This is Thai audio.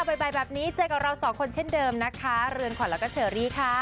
บ่ายแบบนี้เจอกับเราสองคนเช่นเดิมนะคะเรือนขวัญแล้วก็เชอรี่ค่ะ